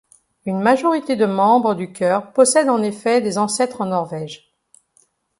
Une majorité de membres du chœur possède en effet des ancêtres en Norvège.